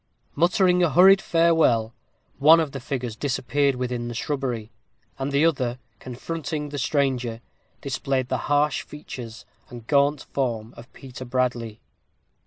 Muttering a hurried farewell, one of the figures disappeared within the shrubbery, and the other, confronting the stranger, displayed the harsh features and gaunt form of Peter Bradley.